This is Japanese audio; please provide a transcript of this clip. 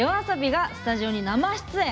ＹＯＡＳＯＢＩがスタジオに生出演。